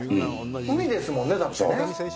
ウリですもんね、だってね。